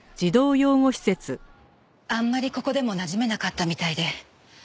あんまりここでもなじめなかったみたいで。